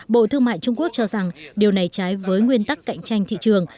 bộ thương mại trung quốc cho rằng điều này trái với nguyên tắc cạnh tranh thị trường